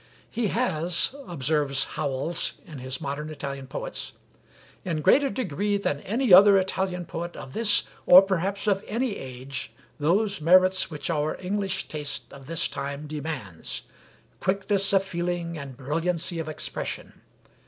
"He has," observes Howells in his 'Modern Italian Poets,' "in greater degree than any other Italian poet of this, or perhaps of any age, those merits which our English taste of this time demands, quickness of feeling and brilliancy of expression.